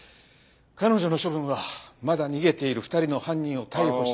彼女の処分はまだ逃げている２人の犯人を逮捕して。